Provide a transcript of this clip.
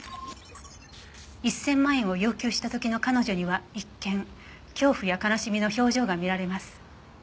１０００万円を要求した時の彼女には一見恐怖や悲しみの表情が見られます。